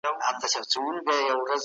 ایا مسلکي بڼوال پسته پلوري؟